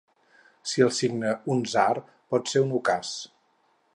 Si el signa un tsar pot ser un ucàs.